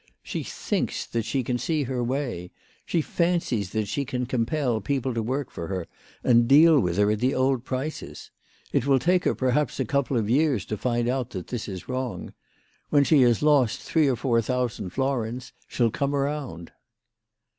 She thinks that she can see her way. She fancies that she can compel people to work for her and deal with her at the old prices. It will take her, perhaps, a couple of years to find out that this is wrong. When she has lost three or four thousand florins she'll come round."